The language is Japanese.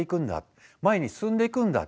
前に進んでいくんだ。